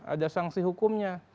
ada sanksi hukumnya